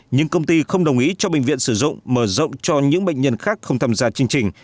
nhưng công ty không đồng ý cho bệnh viện sử dụng mở rộng cho những bệnh nhân khác không tham gia chương trình